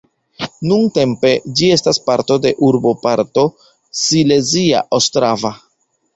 Nuntempe ĝi estas parto de urboparto Silezia Ostrava.